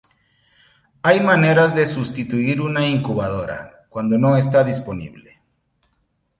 Hay maneras de sustituir una incubadora, cuando no está disponible.